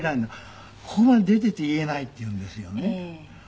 「ここまで出ていて言えない」って言うんですよね。